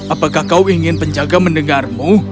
apakah kau ingin penjaga mendengarmu